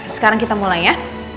sekarang kita mulai ya